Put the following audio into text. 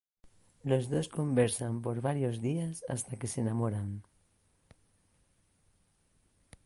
Los dos conversan por varios días hasta que se enamoran.